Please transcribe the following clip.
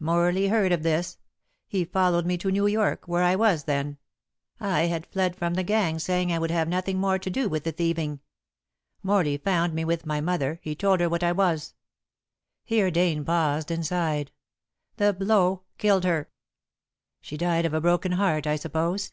Morley heard of this. He followed me to New York, where I was then. I had fled from the gang, saying I would have nothing more to do with the thieving. Morley found me with my mother. He told her what I was." Here Dane paused and sighed. "The blow killed her." "She died of a broken heart, I suppose?"